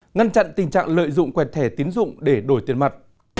ngăn chặn tình trạng lợi dụng quẹt thẻ tiến dụng để đổi tiền mặt